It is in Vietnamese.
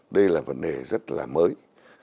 đây là vấn đề rất là mới